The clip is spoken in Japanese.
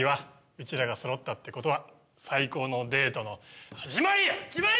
うちらがそろったってことは最高のデートの始まり始まり！！